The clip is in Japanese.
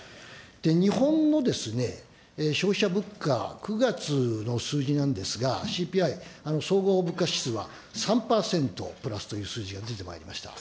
日本の消費者物価、９月の数字なんですが、ＣＰＩ・総合物価指数は３％プラスという数字が出てまいりました。